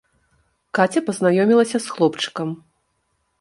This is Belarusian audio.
Каця пазнаёмілася з хлопчыкам.